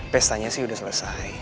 pestanya sih udah selesai